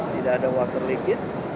tidak ada water leakage